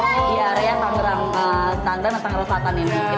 di area tangerang dan tangerang selatan ini